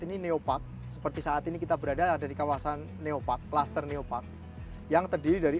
ini neopark seperti saat ini kita berada ada di kawasan neopark cluster neopark yang terdiri dari